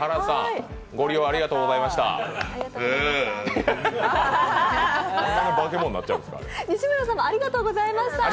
ご利用ありがとうございました。